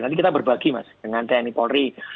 nanti kita berbagi mas dengan tni polri